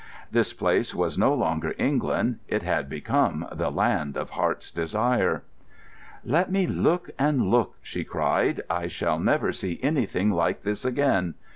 This place was no longer England; it had become the Land of Heart's Desire. "Let me look and look," she cried; "I shall never see anything like this again!"